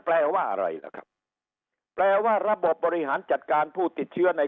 แปลว่าอะไรล่ะครับแปลว่าระบบบบริหารจัดการผู้ติดเชื้อใน